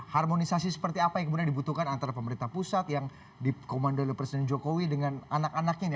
harmonisasi seperti apa yang kemudian dibutuhkan antara pemerintah pusat yang dikomando oleh presiden jokowi dengan anak anak ini